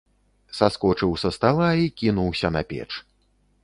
Саскочыў са стала і кінуўся на печ.